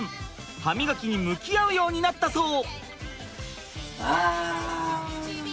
歯みがきに向き合うようになったそう！